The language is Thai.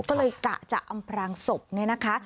ก็เลยกะจะอำพรางศพเนี่ยนะคะ